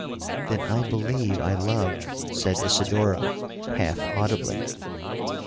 '—'Then I believe I love,' said Isidora half audibly.